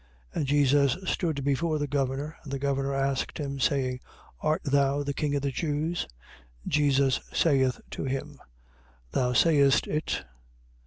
27:11. And Jesus stood before the governor, and the governor asked him, saying: Art thou the king of the Jews? Jesus saith to him: Thou sayest it.